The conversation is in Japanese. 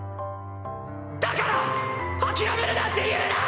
だから諦めるなんて言うな！